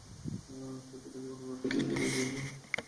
আর হয়তোবা জীবনের বাকী দিনগুলোও একা একা কাটিয়ে দিবেন।